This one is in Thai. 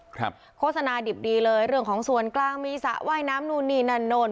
โฆษณาดิบดีเลยเรื่องของส่วนกลางมีสระว่ายน้ำนู่นนี่นั่นนู่น